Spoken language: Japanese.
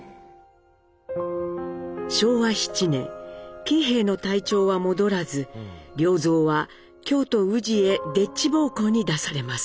昭和７年喜兵衛の体調は戻らず良三は京都・宇治へでっち奉公に出されます。